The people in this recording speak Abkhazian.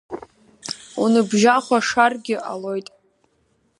Уныбжьахәашаргьы ҟалоит…